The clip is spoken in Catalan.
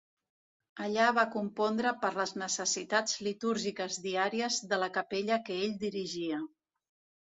Allà va compondre per les necessitats litúrgiques diàries de la capella que ell dirigia.